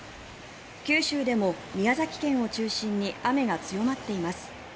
九州でも宮崎県を中心に雨が強まっています。